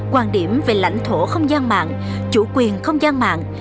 quan điểm về lãnh thổ không gian mạng chủ quyền không gian mạng